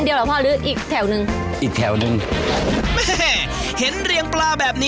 ใส่ไปเพื่อจะให้มันไม่มีขาว